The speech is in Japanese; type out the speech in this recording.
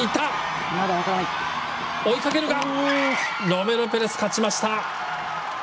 ロメロペレス勝ちました！